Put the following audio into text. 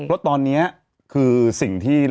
เพราะตอนนี้คือสิ่งที่